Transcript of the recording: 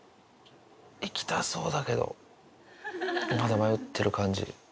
行きたそうだけどまだ迷ってる感じ。